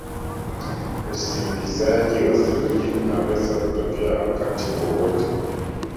Usimbishaji wa theluji unaweza kutokea wakati wowote